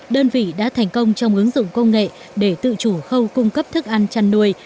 đơn vị đã thành công trong ứng dụng công nghệ để tự chủ khâu cung cấp thức ăn chăn nuôi